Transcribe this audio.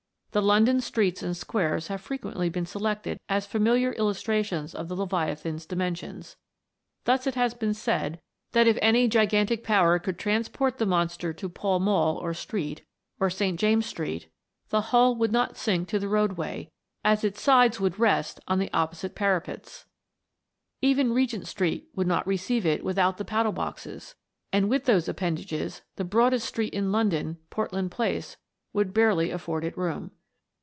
The London streets and squares have frequently been selected as fami liar illustrations of the Leviathan's dimensions. Thus it has been said that if any gigantic power could transport the monster to Pall Mall, or Oxford * Year Book for 1858. THE WONDERFUL LAMP. 323 street, or St. James's street, the hull would not sink to the roadway, as its sides would rest on the opposite parapets. Even Regent street would not receive it without the paddle boxes; and with those appendages, the broadest street in London, Portland place, would barely afford it room.